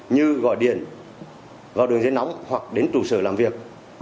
như gọi điện vào đường dây nóng hoặc đến trụ sở làm việc